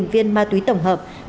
một trăm hai mươi viên ma túy tổng hợp